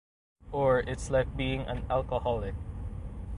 Or it's like being an alcoholic.